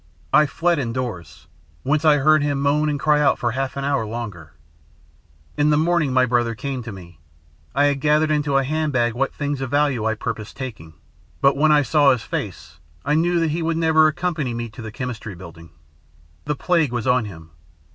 I fled indoors, whence I heard him moan and cry out for half an hour longer. "In the morning, my brother came to me. I had gathered into a handbag what things of value I purposed taking, but when I saw his face I knew that he would never accompany me to the Chemistry Building. The plague was on him.